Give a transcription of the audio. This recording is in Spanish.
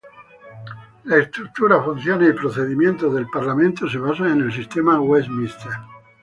La estructura, funciones y procedimientos del parlamento se basan en el sistema Westminster.